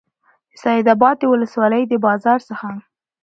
د سیدآباد د ولسوالۍ د بازار څخه